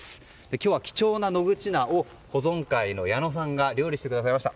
今日は、貴重な野口菜を保存会の矢野さんが料理してくださいました。